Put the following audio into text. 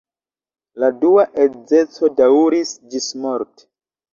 La dua edzeco daŭris ĝismorte.